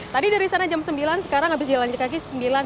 tadi dari sana jam sembilan sekarang habis jalan kaki sembilan